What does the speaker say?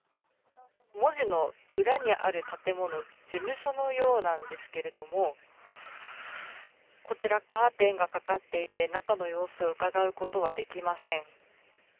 文字の裏にある建物事務所のようなんですがこちら、カーテンがかかっていて中の様子をうかがうことはできません。